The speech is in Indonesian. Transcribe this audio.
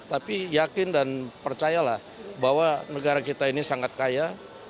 tapi yakin dan percayalah bahwa negara kita ini sangat kaya